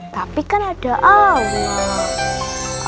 tapi kan ada allah